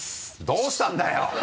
どうしたんだよ？